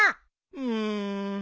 うん。